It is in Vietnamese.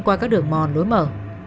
qua các đường mòn lối mở